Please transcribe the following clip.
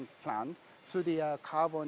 menjadi energi tanpa karbon